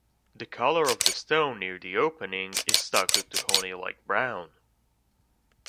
The color of the stone near the opening is stucco to honey-like brown.